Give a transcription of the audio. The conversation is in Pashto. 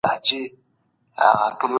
هغه وویل چي مینه د اړتیا بل نوم دی.